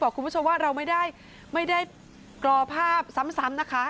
คุณผู้ชมว่าเราไม่ได้กรอภาพซ้ำนะคะ